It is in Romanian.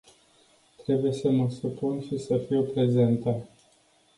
Trebuie să mă supun și să fiu prezentă.